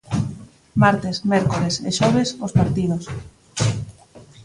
Martes, mércores e xoves, os partidos.